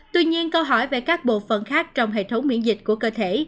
tuy nhiên câu hỏi về các bộ phận khác trong hệ thống miễn dịch của cơ thể